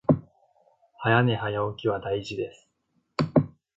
早寝早起きは大事です